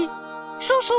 そうそう！